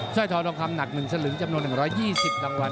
ร้อยทองคำหนัก๑สลึงจำนวน๑๒๐รางวัล